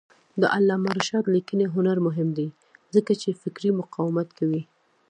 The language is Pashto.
د علامه رشاد لیکنی هنر مهم دی ځکه چې فکري مقاومت کوي.